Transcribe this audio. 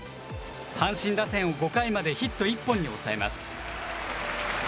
阪神打線を５回までヒット１本に抑えます。